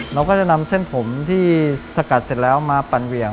เราก็จะนำเส้นผมที่สกัดเสร็จแล้วมาปั่นเหวี่ยง